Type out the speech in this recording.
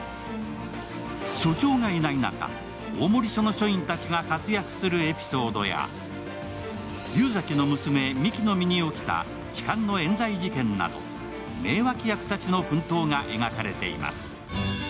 署長がいない中、大森署の署員たちが活躍するエピソードや竜崎の娘・美紀の身に起きた痴漢のえん罪事件など、名脇役たちの奮闘が描かれています。